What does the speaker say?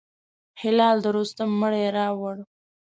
هلال د رستم مړی راووړ.